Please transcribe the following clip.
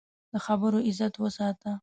د خبرو عزت وساته